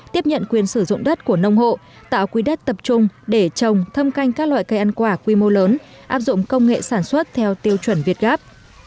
tiếp nhận quyền sử dụng đất của nông hộ tạo quý đất tập trung để trồng thâm canh các loại cây ăn quả quy mô lớn áp dụng công nghệ sản xuất theo tiêu chuẩn việt gáp